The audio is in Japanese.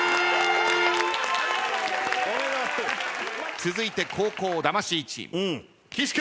続いて後攻魂チーム岸君。